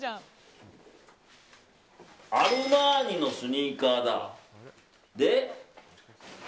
アルマーニのスニーカーだ。